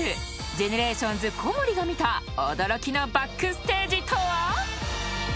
ＧＥＮＥＲＡＴＩＯＮＳ小森が見た驚きのバックステージとは］